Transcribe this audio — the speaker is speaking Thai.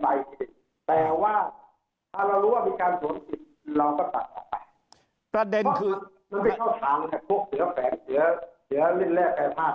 เพราะว่ามันไม่เข้าทางแห่งพวกเหลือแฝงเหลือเล่นแรกแพร่ภาพ